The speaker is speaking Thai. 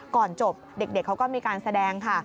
ก่อนจบเด็กเขาก็มีการแสดงค่ะ